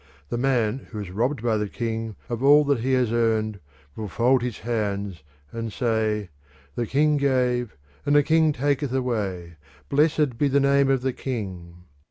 The man who is robbed by the king of all that he has earned will fold his hands and say "The king gave and the king taketh away. Blessed be the name of the king!"